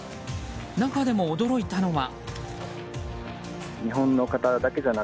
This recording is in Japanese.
中でも驚いたのは。